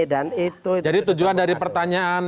dan itu jadi tujuan dari pertanyaan